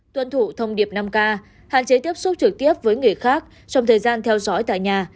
tuân thủ thông điệp năm k hạn chế tiếp xúc trực tiếp với người khác trong thời gian theo dõi tại nhà